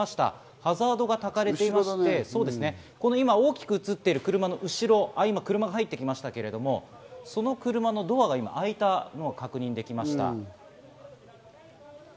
ハザードがたかれていまして、大きく映っている車の後ろ、今、車が入ってきましたけれども、その車のドアが開いたのが確認できました。